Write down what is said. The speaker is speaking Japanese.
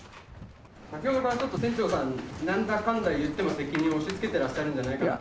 先ほどからちょっと船長さんに、なんだかんだいっても責任を押しつけてらっしゃるんじゃないかと。